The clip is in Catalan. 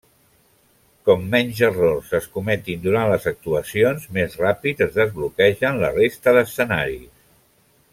Com menys errors es cometin durant les actuacions, més ràpid es desbloquegen la resta d'escenaris.